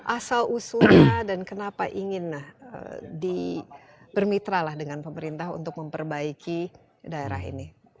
asal usulnya dan kenapa ingin bermitra lah dengan pemerintah untuk memperbaiki daerah ini